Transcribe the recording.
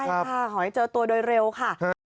ขอให้เจอตัวโดยเร็วค่ะ